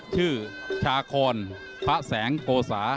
ชื่อชาคอนพระแสงโกสา